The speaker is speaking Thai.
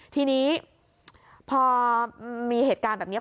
ทีนี้พอมีเหตุการณ์แบบนี้